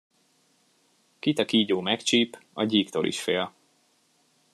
Kit a kígyó megcsíp, a gyíktól is fél.